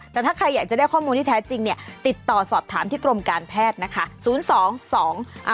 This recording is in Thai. แต่ถ้าใครอยากจะได้ข้อมูลที่แท้จริงเนี่ยติดต่อสอบถามที่กรมการแพทย์นะคะ